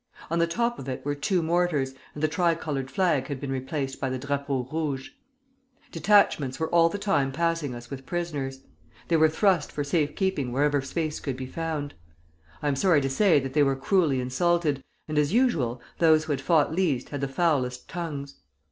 On the top of it were two mortars, and the tricolored flag had been replaced by the drapeau rouge. Detachments were all the time passing us with prisoners. They were thrust for safe keeping wherever space could be found. I am sorry to say that they were cruelly insulted, and, as usual, those who had fought least had the foulest tongues.